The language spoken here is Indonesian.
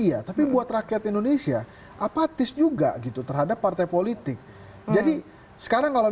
iya tapi buat rakyat indonesia apatis juga gitu terhadap partai politik jadi sekarang kalau